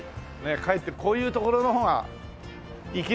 かえってこういう所の方が生きるんだよね。